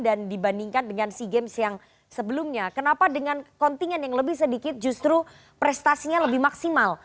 dan dibandingkan dengan si games yang sebelumnya kenapa dengan kontingen yang lebih sedikit justru prestasinya lebih maksimal